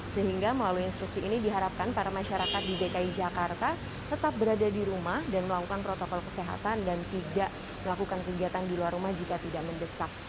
sehingga melalui instruksi ini diharapkan para masyarakat di dki jakarta tetap berada di rumah dan melakukan protokol kesehatan dan tidak melakukan kegiatan di luar rumah jika tidak mendesak